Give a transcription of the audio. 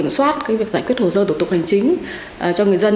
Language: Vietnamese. hồ sơ sau khi tiếp nhận được trả đúng hạn